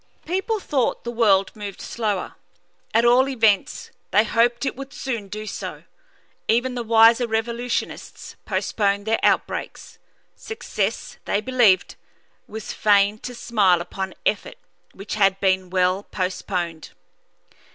People thought the world moved slower; at all events, they hoped it would soon do so. Even the wiser revolutionists postponed their outbreaks. Success, they believed, was fain to smile upon effort which had been well postponed.